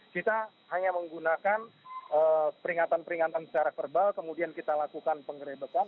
kita hanya menggunakan peringatan peringatan secara verbal kemudian kita lakukan penggerebekan